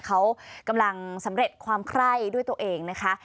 เขากำลังสำเร็จความไคร้ด้วยตัวเองนะคะ